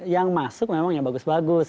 yang masuk memang yang bagus bagus